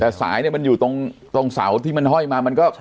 แต่สายมันอยู่ตรงเสาที่มันห้อยมา